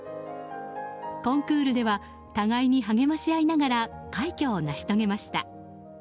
コンクールでは互いに励ましあいながら快挙を成し遂げました。